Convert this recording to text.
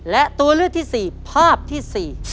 และตัวเลือกที่๔ภาพที่๔